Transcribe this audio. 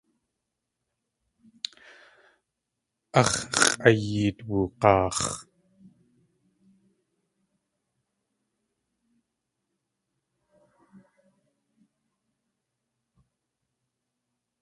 Ax̲ x̲ʼayeet woog̲aax̲.